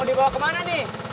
mau dibawa kemana nih